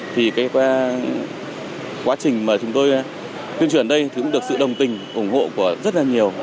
thì quá trình mà chúng tôi tuyên truyền đây cũng được sự đồng tình ủng hộ của rất là nhiều